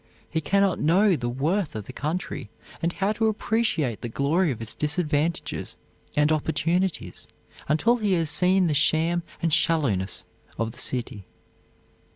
He can not know the worth of the country and how to appreciate the glory of its disadvantages and opportunities until he has seen the sham and shallowness of the city.